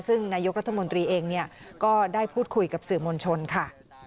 ซึ่งนายกรัฐมนตรีเองก็ได้พูดคุยกับสื่อมวลชนค่ะ